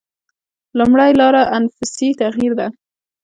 لومړۍ لاره انفسي تغییر ده.